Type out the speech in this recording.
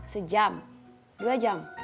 sejam dua jam